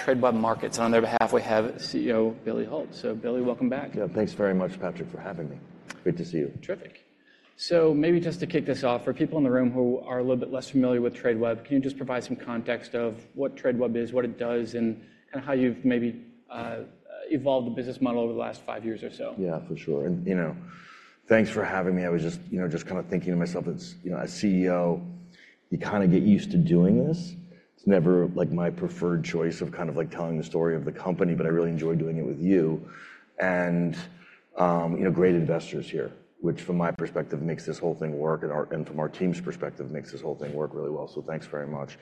Tradeweb Markets, and on their behalf we have CEO Billy Hult. So Billy, welcome back. Yeah, thanks very much, Patrick, for having me. Great to see you. Terrific. So maybe just to kick this off, for people in the room who are a little bit less familiar with Tradeweb, can you just provide some context of what Tradeweb is, what it does, and kind of how you've maybe evolved the business model over the last five years or so? Yeah, for sure. You know, thanks for having me. I was just, you know, just kind of thinking to myself, it's, you know, as CEO, you kind of get used to doing this. It's never, like, my preferred choice of kind of, like, telling the story of the company, but I really enjoy doing it with you. You know, great investors here, which from my perspective makes this whole thing work, and from our team's perspective makes this whole thing work really well. So thanks very much.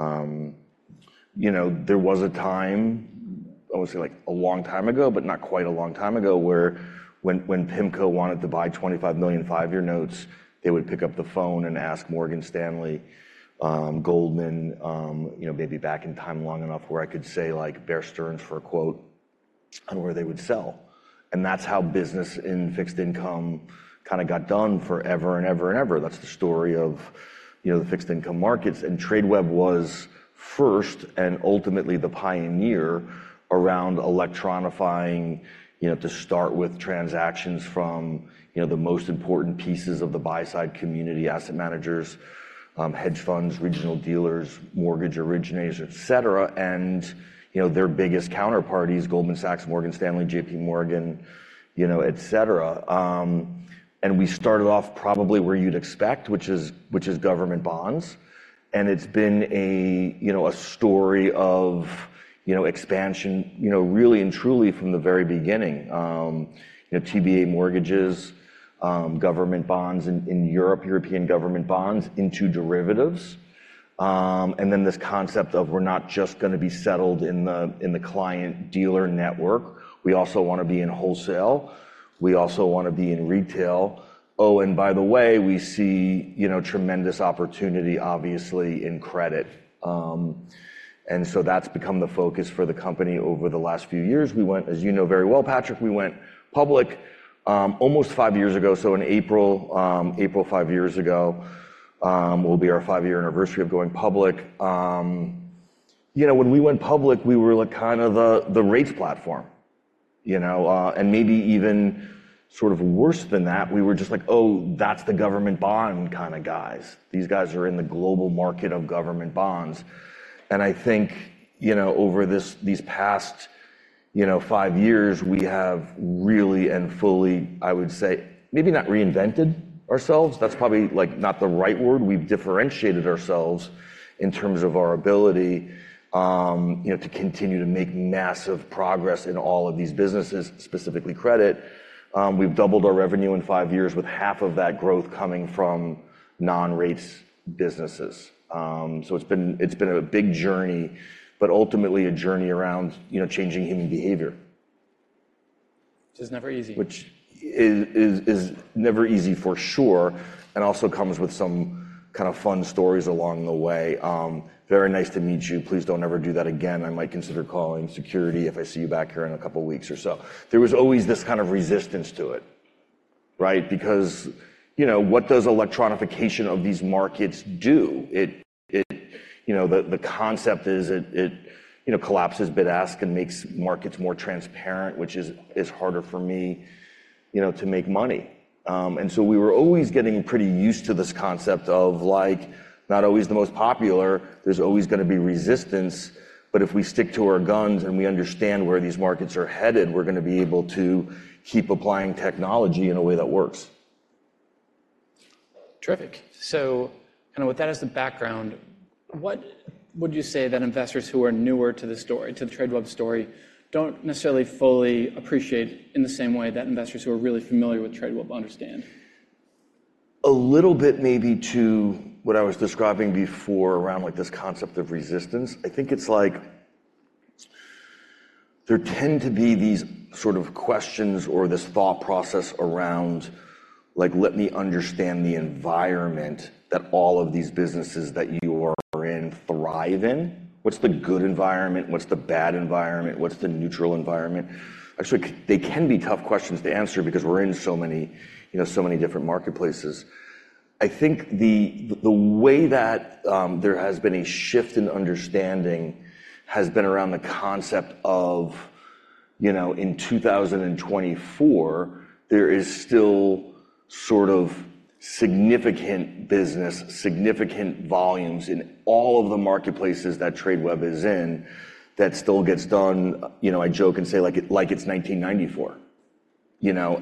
You know, there was a time (I won't say, like, a long time ago, but not quite a long time ago) where, when, when PIMCO wanted to buy $25 million five-year notes, they would pick up the phone and ask Morgan Stanley, Goldman, you know, maybe back in time long enough where I could say, like, "Bear Stearns for a quote," and where they would sell. And that's how business in fixed income kind of got done forever and ever and ever. That's the story of, you know, the fixed income markets. And Tradeweb was first and ultimately the pioneer around electronifying, you know, to start with transactions from, you know, the most important pieces of the buy-side community: asset managers, hedge funds, regional dealers, mortgage originators, etc. You know, their biggest counterparties, Goldman Sachs, Morgan Stanley, J.P. Morgan, you know, etc., and we started off probably where you'd expect, which is government bonds. It's been a, you know, a story of, you know, expansion, you know, really and truly from the very beginning. You know, TBA mortgages, government bonds in Europe, European government bonds, into derivatives. Then this concept of we're not just gonna be settled in the client-dealer network. We also wanna be in wholesale. We also wanna be in retail. Oh, and by the way, we see, you know, tremendous opportunity, obviously, in credit. So that's become the focus for the company over the last few years. We went, as you know very well, Patrick, we went public, almost five years ago. So in April five years ago, will be our five-year anniversary of going public. You know, when we went public, we were, like, kind of the, the rates platform, you know, and maybe even sort of worse than that, we were just like, "Oh, that's the government bond kind of guys. These guys are in the global market of government bonds." And I think, you know, over these past, you know, five years, we have really and fully, I would say, maybe not reinvented ourselves. That's probably, like, not the right word. We've differentiated ourselves in terms of our ability, you know, to continue to make massive progress in all of these businesses, specifically credit. We've doubled our revenue in five years with half of that growth coming from non-rates businesses. So it's been a big journey, but ultimately a journey around, you know, changing human behavior. Which is never easy. Which is never easy for sure and also comes with some kind of fun stories along the way. Very nice to meet you. Please don't ever do that again. I might consider calling security if I see you back here in a couple weeks or so. There was always this kind of resistance to it, right, because, you know, what does electronification of these markets do? It, you know, the concept is it, you know, collapses bid-ask and makes markets more transparent, which is harder for me, you know, to make money. And so we were always getting pretty used to this concept of, like, not always the most popular. There's always gonna be resistance. But if we stick to our guns and we understand where these markets are headed, we're gonna be able to keep applying technology in a way that works. Terrific. So kind of with that as the background, what would you say that investors who are newer to the Tradeweb story don't necessarily fully appreciate in the same way that investors who are really familiar with Tradeweb understand? A little bit maybe to what I was describing before around, like, this concept of resistance. I think it's like there tend to be these sort of questions or this thought process around, like, "Let me understand the environment that all of these businesses that you are in thrive in. What's the good environment? What's the bad environment? What's the neutral environment?" Actually, they can be tough questions to answer because we're in so many, you know, so many different marketplaces. I think the way that there has been a shift in understanding has been around the concept of, you know, in 2024, there is still sort of significant business, significant volumes in all of the marketplaces that Tradeweb is in that still gets done, you know, I joke and say, like, it like it's 1994, you know?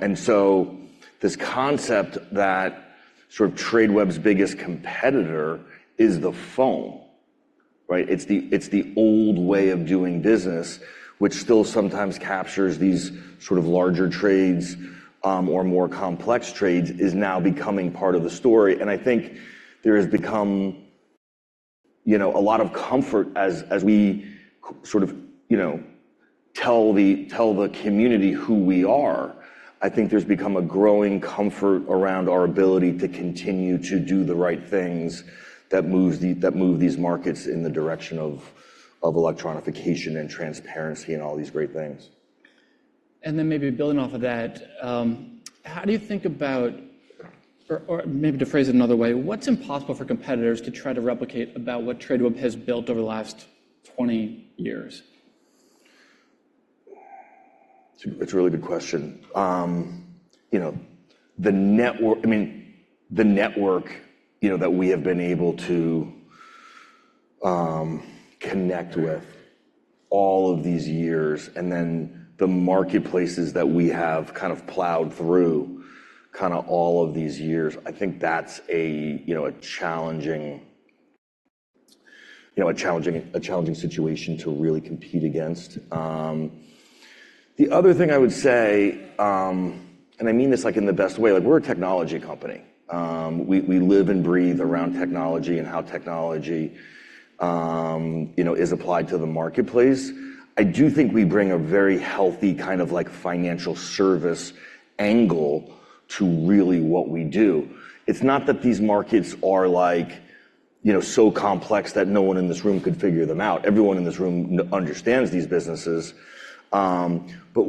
This concept that sort of Tradeweb's biggest competitor is the phone, right? It's the old way of doing business, which still sometimes captures these sort of larger trades, or more complex trades, is now becoming part of the story. I think there has become, you know, a lot of comfort as we sort of, you know, tell the community who we are. I think there's become a growing comfort around our ability to continue to do the right things that move these markets in the direction of electronification and transparency and all these great things. And then maybe building off of that, how do you think about or, or maybe to phrase it another way, what's impossible for competitors to try to replicate about what Tradeweb has built over the last 20 years? It's a really good question. You know, the network, I mean, the network, you know, that we have been able to connect with all of these years and then the marketplaces that we have kind of plowed through kind of all of these years, I think that's a, you know, a challenging situation to really compete against. The other thing I would say, and I mean this, like, in the best way, like, we're a technology company. We live and breathe around technology and how technology, you know, is applied to the marketplace. I do think we bring a very healthy kind of, like, financial service angle to really what we do. It's not that these markets are, like, you know, so complex that no one in this room could figure them out. Everyone in this room understands these businesses. But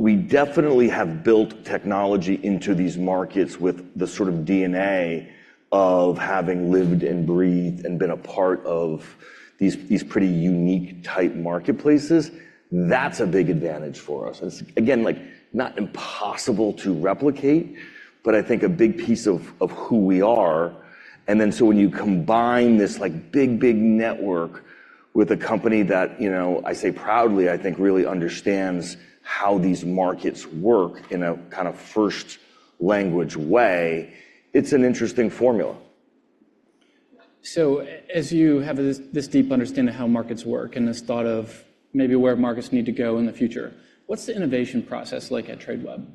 we definitely have built technology into these markets with the sort of DNA of having lived and breathed and been a part of these, these pretty unique-type marketplaces. That's a big advantage for us. It's, again, like, not impossible to replicate, but I think a big piece of, of who we are. And then so when you combine this, like, big, big network with a company that, you know, I say proudly, I think really understands how these markets work in a kind of first-language way, it's an interesting formula. As you have this deep understanding of how markets work and this thought of maybe where markets need to go in the future, what's the innovation process like at Tradeweb?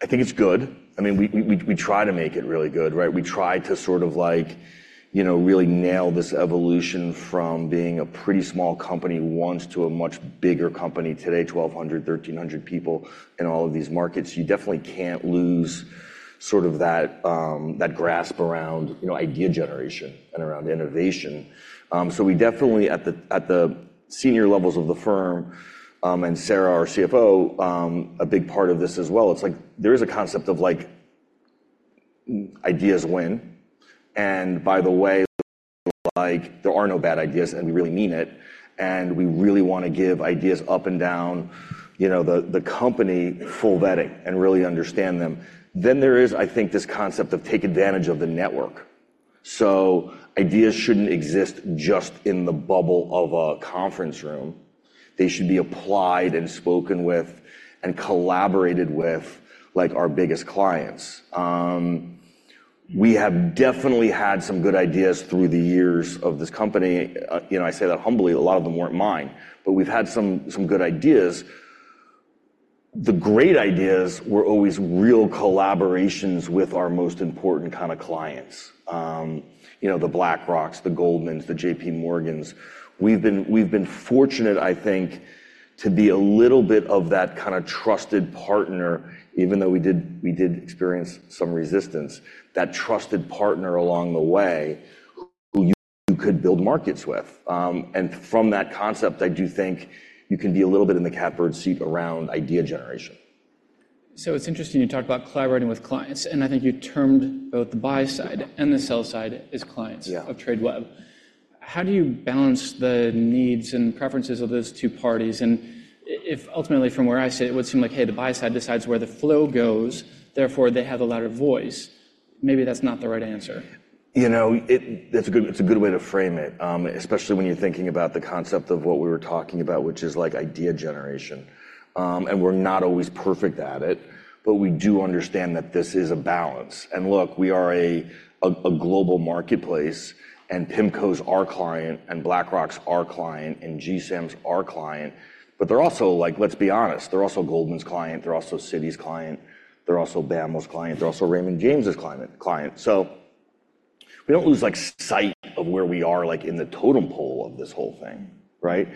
I think it's good. I mean, we try to make it really good, right? We try to sort of, like, you know, really nail this evolution from being a pretty small company once to a much bigger company today, 1,200, 1,300 people in all of these markets. You definitely can't lose sort of that grasp around, you know, idea generation and around innovation. So we definitely at the senior levels of the firm, and Sara, our CFO, a big part of this as well. It's like there is a concept of, like, ideas win. And by the way, like, there are no bad ideas, and we really mean it. And we really wanna give ideas up and down, you know, the company full vetting and really understand them. Then there is, I think, this concept of take advantage of the network. So ideas shouldn't exist just in the bubble of a conference room. They should be applied and spoken with and collaborated with, like, our biggest clients. We have definitely had some good ideas through the years of this company. You know, I say that humbly. A lot of them weren't mine, but we've had some, some good ideas. The great ideas were always real collaborations with our most important kind of clients. You know, the BlackRocks, the Goldmans, the JP Morgans. We've been we've been fortunate, I think, to be a little bit of that kind of trusted partner, even though we did we did experience some resistance, that trusted partner along the way who you could build markets with. And from that concept, I do think you can be a little bit in the catbird seat around idea generation. So it's interesting. You talked about collaborating with clients, and I think you termed both the buy side and the sell side as clients of Tradeweb. Yeah. How do you balance the needs and preferences of those two parties? And if ultimately, from where I sit, it would seem like, hey, the buy side decides where the flow goes. Therefore, they have a louder voice. Maybe that's not the right answer. You know, it's a good way to frame it, especially when you're thinking about the concept of what we were talking about, which is, like, idea generation. We're not always perfect at it, but we do understand that this is a balance. Look, we are a global marketplace, and PIMCO's our client and BlackRock's our client and GSAM's our client, but they're also, like, let's be honest, they're also Goldman's client. They're also Citi's client. They're also BAML's client. They're also Raymond James's client. So we don't lose, like, sight of where we are, like, in the totem pole of this whole thing, right?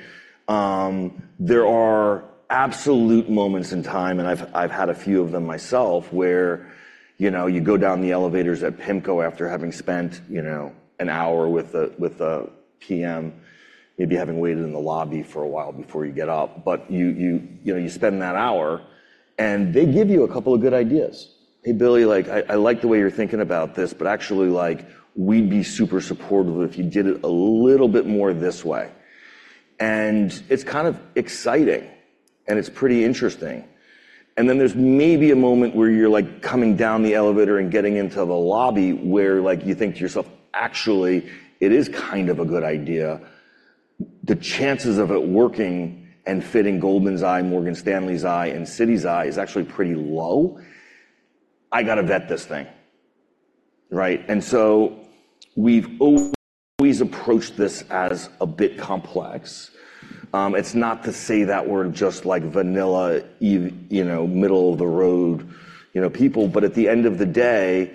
There are absolute moments in time, and I've had a few of them myself where, you know, you go down the elevators at PIMCO after having spent, you know, an hour with a PM, maybe having waited in the lobby for a while before you get up, but you know, you spend that hour, and they give you a couple of good ideas. "Hey, Billy, like, I like the way you're thinking about this, but actually, like, we'd be super supportive if you did it a little bit more this way." And it's kind of exciting, and it's pretty interesting. And then there's maybe a moment where you're, like, coming down the elevator and getting into the lobby where, like, you think to yourself, "Actually, it is kind of a good idea. The chances of it working and fitting Goldman's eye, Morgan Stanley's eye, and Citi's eye is actually pretty low. "I gotta vet this thing," right? And so we've always approached this as a bit complex. It's not to say that we're just, like, vanilla, you know, middle-of-the-road, you know, people, but at the end of the day,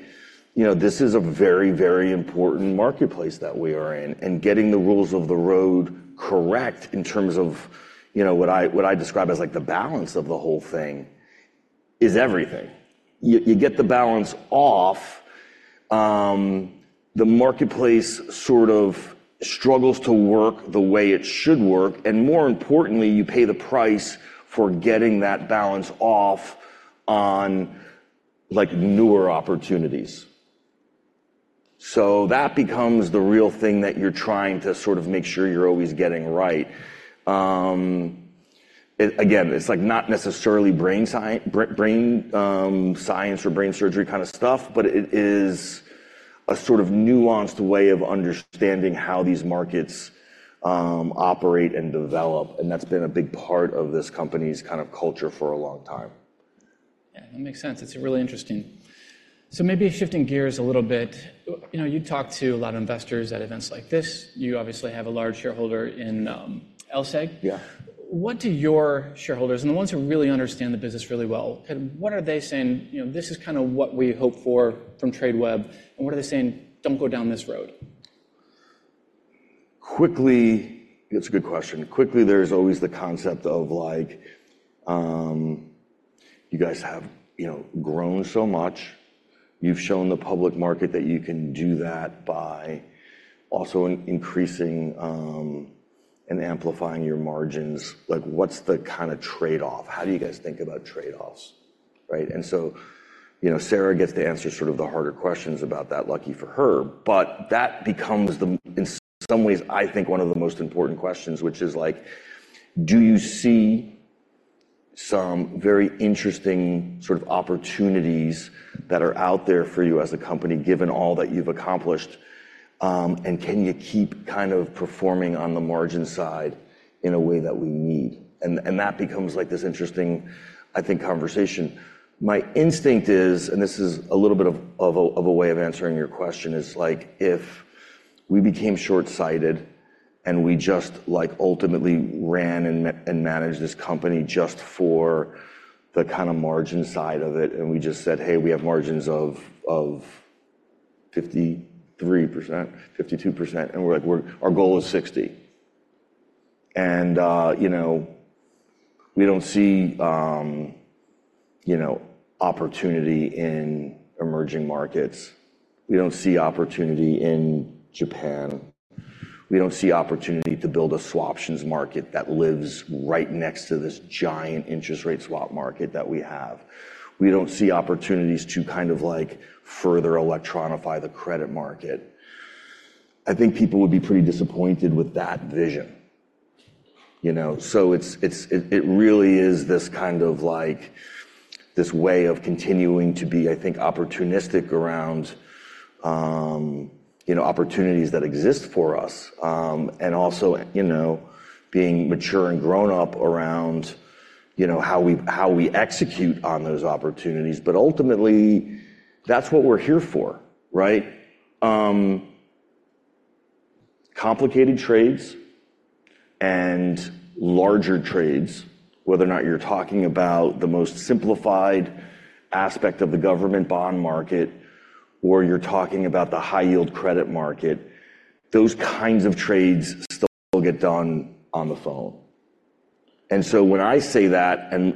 you know, this is a very, very important marketplace that we are in, and getting the rules of the road correct in terms of, you know, what I describe as, like, the balance of the whole thing is everything. You get the balance off, the marketplace sort of struggles to work the way it should work, and more importantly, you pay the price for getting that balance off on, like, newer opportunities. So that becomes the real thing that you're trying to sort of make sure you're always getting right. It again, it's, like, not necessarily brain science or brain surgery kind of stuff, but it is a sort of nuanced way of understanding how these markets operate and develop, and that's been a big part of this company's kind of culture for a long time. Yeah. That makes sense. It's really interesting. So maybe shifting gears a little bit, you know, you talk to a lot of investors at events like this. You obviously have a large shareholder in LSEG. Yeah. What do your shareholders and the ones who really understand the business really well, what are they saying, you know, "This is kind of what we hope for from Tradeweb," and what are they saying, "Don't go down this road"? Quickly, that's a good question. Quickly, there's always the concept of, like, you guys have, you know, grown so much. You've shown the public market that you can do that by also increasing and amplifying your margins. Like, what's the kind of trade-off? How do you guys think about trade-offs, right? And so, you know, Sara gets to answer sort of the harder questions about that, lucky for her, but that becomes then, in some ways, I think, one of the most important questions, which is, like, do you see some very interesting sort of opportunities that are out there for you as a company given all that you've accomplished, and can you keep kind of performing on the margin side in a way that we need? And that becomes, like, this interesting, I think, conversation. My instinct is, and this is a little bit of a way of answering your question, like, if we became shortsighted and we just, like, ultimately ran and met and managed this company just for the kind of margin side of it, and we just said, "Hey, we have margins of 53%, 52%," and we're like, "Our goal is 60," and, you know, we don't see, you know, opportunity in emerging markets. We don't see opportunity in Japan. We don't see opportunity to build a swaptions market that lives right next to this giant interest-rate swap market that we have. We don't see opportunities to kind of, like, further electronify the credit market. I think people would be pretty disappointed with that vision, you know? So it really is this kind of, like, this way of continuing to be, I think, opportunistic around, you know, opportunities that exist for us, and also, you know, being mature and grown up around, you know, how we execute on those opportunities, but ultimately, that's what we're here for, right? Complicated trades and larger trades, whether or not you're talking about the most simplified aspect of the government bond market or you're talking about the high-yield credit market, those kinds of trades still get done on the phone. And so when I say that and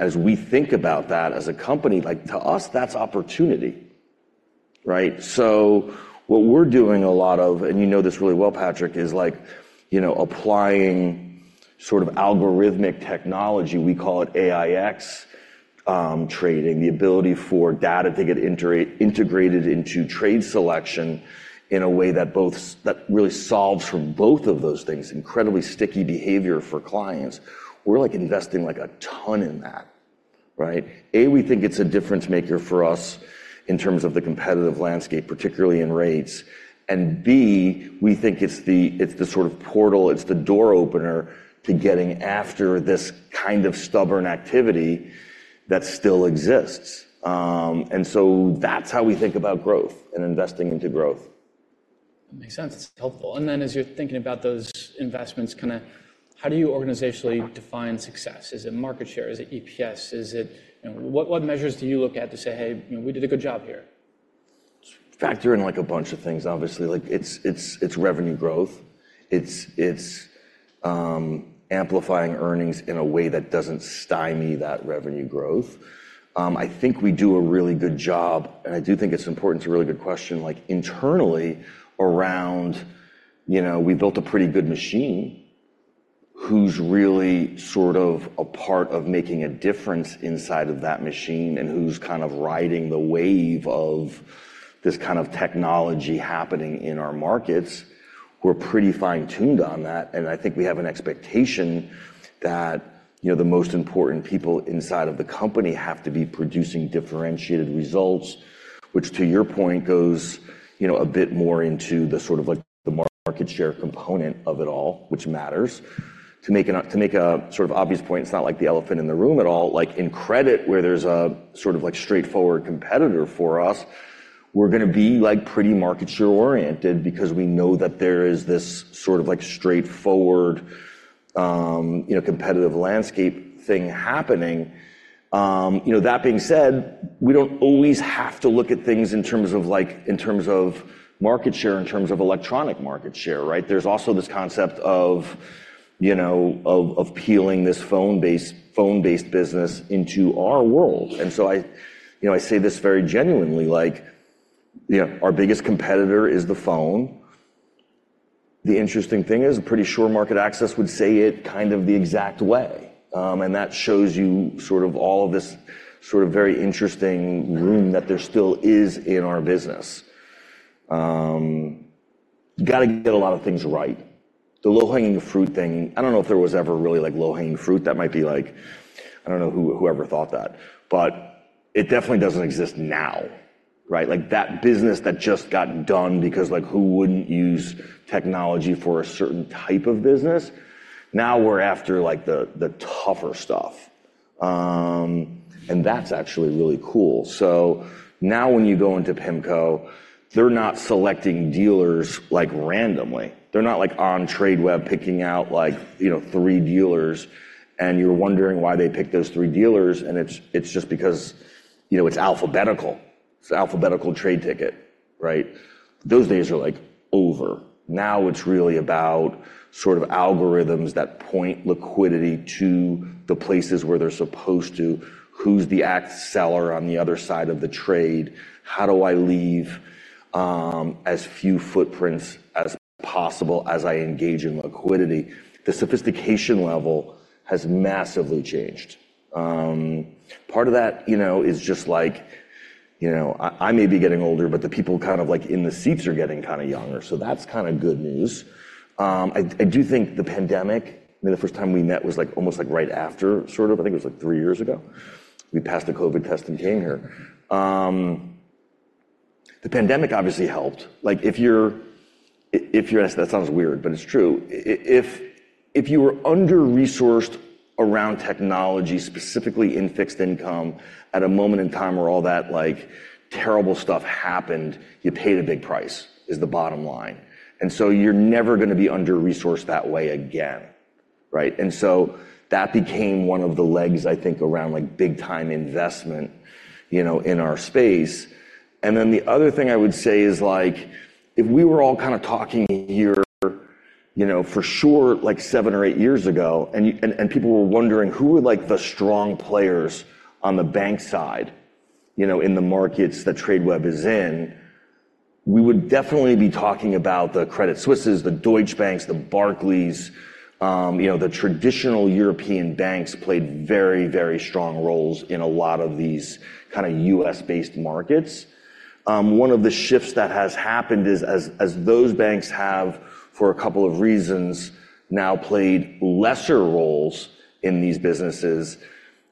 as we think about that as a company, like, to us, that's opportunity, right? So what we're doing a lot of and you know this really well, Patrick, is, like, you know, applying sort of algorithmic technology. We call it AiEX trading, the ability for data to get integrated into trade selection in a way that both that really solves for both of those things, incredibly sticky behavior for clients. We're, like, investing, like, a ton in that, right? A, we think it's a difference-maker for us in terms of the competitive landscape, particularly in rates, and B, we think it's the sort of portal, it's the door opener to getting after this kind of stubborn activity that still exists. So that's how we think about growth and investing into growth. That makes sense. It's helpful. And then as you're thinking about those investments kind of, how do you organizationally define success? Is it market share? Is it EPS? Is it you know, what, what measures do you look at to say, "Hey, you know, we did a good job here"? It's factoring in, like, a bunch of things, obviously. Like, it's revenue growth. It's amplifying earnings in a way that doesn't stymie that revenue growth. I think we do a really good job, and I do think it's important. It's a really good question, like, internally around, you know, we built a pretty good machine. Who's really sort of a part of making a difference inside of that machine and who's kind of riding the wave of this kind of technology happening in our markets? We're pretty fine-tuned on that, and I think we have an expectation that, you know, the most important people inside of the company have to be producing differentiated results, which, to your point, goes, you know, a bit more into the sort of, like, the market share component of it all, which matters. To make a sort of obvious point, it's not like the elephant in the room at all. Like, in credit, where there's a sort of, like, straightforward competitor for us, we're gonna be, like, pretty market share-oriented because we know that there is this sort of, like, straightforward, you know, competitive landscape thing happening. You know, that being said, we don't always have to look at things in terms of, like in terms of market share, in terms of electronic market share, right? There's also this concept of, you know, peeling this phone-based business into our world. And so I, you know, I say this very genuinely, like, you know, our biggest competitor is the phone. The interesting thing is, pretty sure MarketAxess would say it kind of the exact way, and that shows you sort of all of this sort of very interesting room that there still is in our business. You gotta get a lot of things right. The low-hanging fruit thing I don't know if there was ever really, like, low-hanging fruit. That might be, like I don't know whoever thought that, but it definitely doesn't exist now, right? Like, that business that just got done because, like, who wouldn't use technology for a certain type of business? Now we're after, like, the tougher stuff. And that's actually really cool. So now when you go into PIMCO, they're not selecting dealers, like, randomly. They're not, like, on Tradeweb picking out, like, you know, three dealers, and you're wondering why they pick those three dealers, and it's it's just because, you know, it's alphabetical. It's an alphabetical trade ticket, right? Those days are, like, over. Now it's really about sort of algorithms that point liquidity to the places where they're supposed to. Who's the act seller on the other side of the trade? How do I leave, as few footprints as possible as I engage in liquidity? The sophistication level has massively changed. Part of that, you know, is just, like, you know, I may be getting older, but the people kind of, like, in the seats are getting kind of younger, so that's kind of good news. I do think the pandemic. I mean, the first time we met was, like, almost, like, right after sort of. I think it was, like, three years ago. We passed a COVID test and came here. The pandemic obviously helped. Like, if you're that sounds weird, but it's true. If you were under-resourced around technology, specifically in fixed income, at a moment in time where all that, like, terrible stuff happened, you paid a big price is the bottom line. And so you're never gonna be under-resourced that way again, right? And so that became one of the legs, I think, around, like, big-time investment, you know, in our space. And then the other thing I would say is, like, if we were all kind of talking here, you know, for sure, like, seven or eight years ago, and you and people were wondering who were, like, the strong players on the bank side, you know, in the markets that Tradeweb is in, we would definitely be talking about the Credit Suisse, the Deutsche Bank, the Barclays, you know, the traditional European banks played very, very strong roles in a lot of these kind of U.S.-based markets. One of the shifts that has happened is, as those banks have, for a couple of reasons, now played lesser roles in these businesses,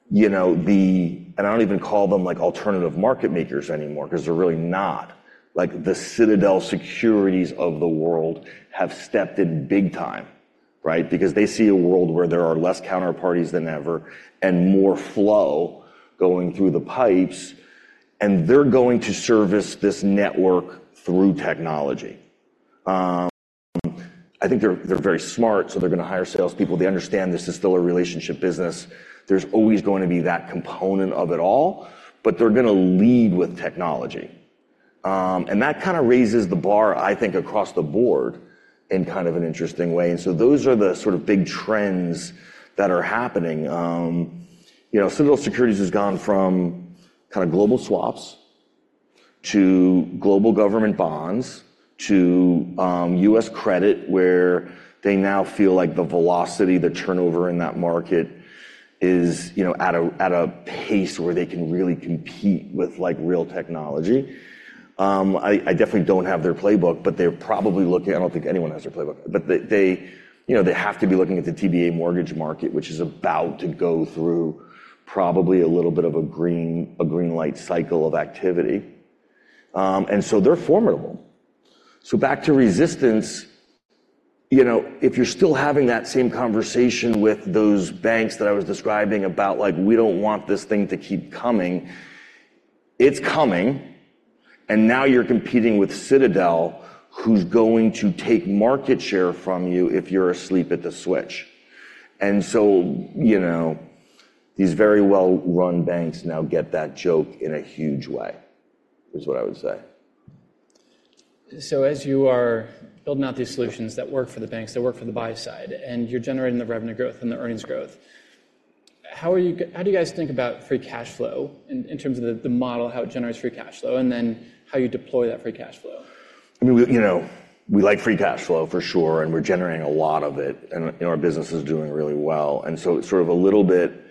you know, and I don't even call them, like, alternative market makers anymore 'cause they're really not. Like, the Citadel Securities of the world have stepped in big time, right, because they see a world where there are less counterparties than ever and more flow going through the pipes, and they're going to service this network through technology. I think they're very smart, so they're gonna hire salespeople. They understand this is still a relationship business. There's always going to be that component of it all, but they're gonna lead with technology. That kind of raises the bar, I think, across the board in kind of an interesting way. So those are the sort of big trends that are happening. You know, Citadel Securities has gone from kind of global swaps to global government bonds to U.S. credit, where they now feel like the velocity, the turnover in that market is, you know, at a pace where they can really compete with, like, real technology. I definitely don't have their playbook, but they're probably looking. I don't think anyone has their playbook, but they, you know, they have to be looking at the TBA mortgage market, which is about to go through probably a little bit of a greenlight cycle of activity, and so they're formidable. So back to resistance, you know, if you're still having that same conversation with those banks that I was describing about, like, "We don't want this thing to keep coming," it's coming, and now you're competing with Citadel, who's going to take market share from you if you're asleep at the switch. And so, you know, these very well-run banks now get that joke in a huge way is what I would say. So as you are building out these solutions that work for the banks, that work for the buy side, and you're generating the revenue growth and the earnings growth, how do you guys think about free cash flow in terms of the model, how it generates free cash flow, and then how you deploy that free cash flow? I mean, we, you know, we like free cash flow, for sure, and we're generating a lot of it, and, you know, our business is doing really well. And so it's sort of a little bit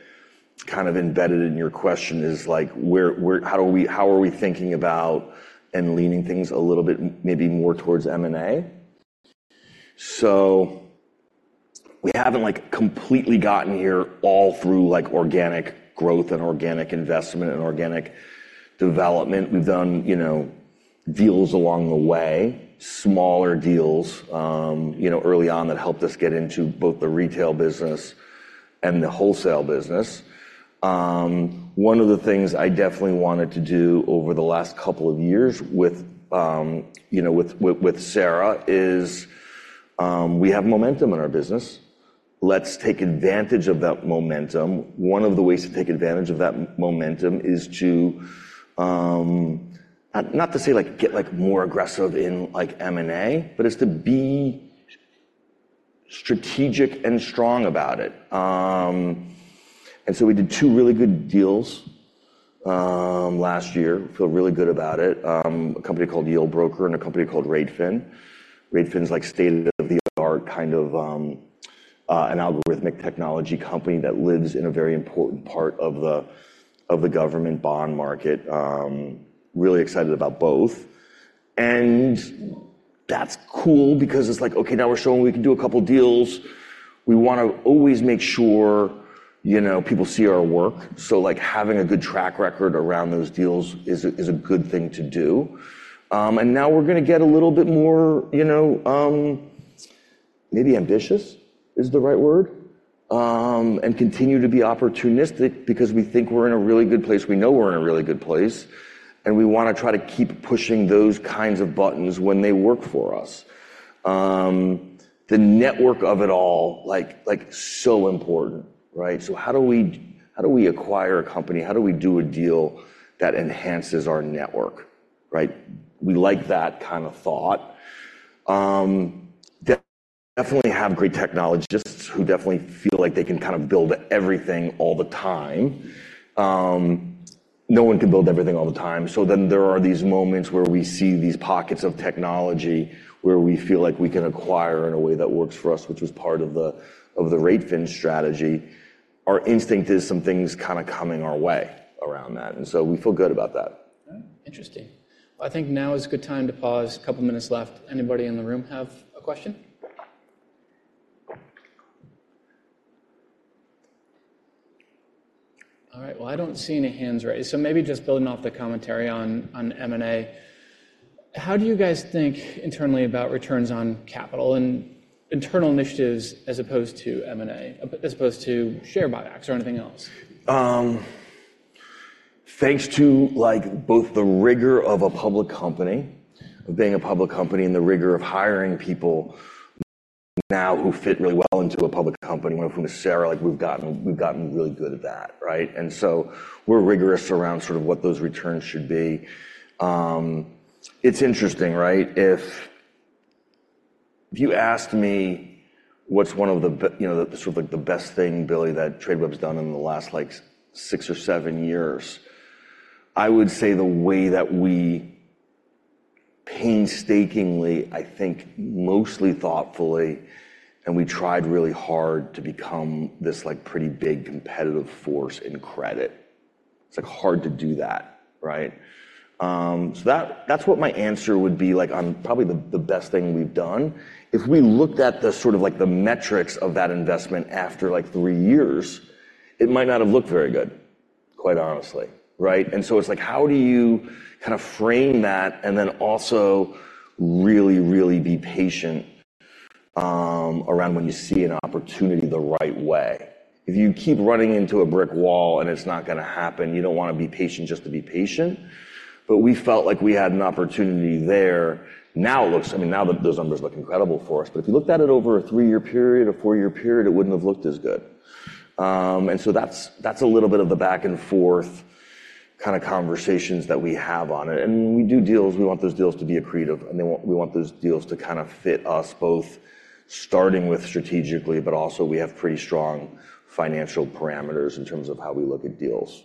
kind of embedded in your question is, like, where, how do we, how are we thinking about and leaning things a little bit maybe more towards M&A? So we haven't, like, completely gotten here all through, like, organic growth and organic investment and organic development. We've done, you know, deals along the way, smaller deals, you know, early on that helped us get into both the retail business and the wholesale business. One of the things I definitely wanted to do over the last couple of years with, you know, with Sara is, we have momentum in our business. Let's take advantage of that momentum. One of the ways to take advantage of that momentum is to, not to say, like, get, like, more aggressive in, like, M&A, but it's to be strategic and strong about it. And so we did two really good deals last year. We feel really good about it, a company called Yieldbroker and a company called r8fin. R8fin's, like, state-of-the-art kind of, an algorithmic technology company that lives in a very important part of the government bond market. Really excited about both. And that's cool because it's like, "Okay, now we're showing we can do a couple of deals. We wanna always make sure, you know, people see our work." So, like, having a good track record around those deals is a good thing to do. And now we're gonna get a little bit more, you know, maybe ambitious is the right word, and continue to be opportunistic because we think we're in a really good place. We know we're in a really good place, and we wanna try to keep pushing those kinds of buttons when they work for us. The network of it all, like, like, so important, right? So how do we how do we acquire a company? How do we do a deal that enhances our network, right? We like that kind of thought. Definitely have great technologists who definitely feel like they can kind of build everything all the time. No one can build everything all the time. So then there are these moments where we see these pockets of technology where we feel like we can acquire in a way that works for us, which was part of the rateFin strategy. Our instinct is some things kind of coming our way around that, and so we feel good about that. All right. Interesting. Well, I think now is a good time to pause. A couple of minutes left. Anybody in the room have a question? All right. Well, I don't see any hands raised. So maybe just building off the commentary on M&A, how do you guys think internally about returns on capital and internal initiatives as opposed to M&A, as opposed to share buybacks or anything else? Thanks to, like, both the rigor of a public company of being a public company and the rigor of hiring people now who fit really well into a public company, one of whom is Sara. Like, we've gotten we've gotten really good at that, right? And so we're rigorous around sort of what those returns should be. It's interesting, right? If you asked me what's one of the you know, the sort of, like, the best thing, Billy, that Tradeweb's done in the last, like, six or seven years, I would say the way that we painstakingly, I think, mostly thoughtfully, and we tried really hard to become this, like, pretty big competitive force in credit. It's, like, hard to do that, right? So that's what my answer would be like on probably the best thing we've done. If we looked at the sort of, like, the metrics of that investment after, like, three years, it might not have looked very good, quite honestly, right? And so it's like, how do you kind of frame that and then also really, really be patient around when you see an opportunity the right way? If you keep running into a brick wall and it's not gonna happen, you don't wanna be patient just to be patient. But we felt like we had an opportunity there. Now it looks. I mean, now that those numbers look incredible for us, but if you looked at it over a three-year period, a four-year period, it wouldn't have looked as good. And so that's that's a little bit of the back-and-forth kind of conversations that we have on it. And we do deals. We want those deals to be accretive, and we want those deals to kind of fit us both starting with strategically, but also we have pretty strong financial parameters in terms of how we look at deals.